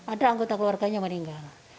ada anggota keluarganya meninggal